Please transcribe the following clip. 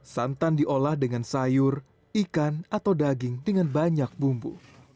santan diolah dengan sayur ikan atau daging dengan banyak bumbu